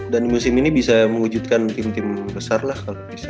dan di musim ini bisa mengwujudkan tim tim besar lah kalau bisa